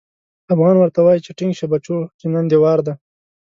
افغان ورته وايي چې ټينګ شه بچو چې نن دې وار دی.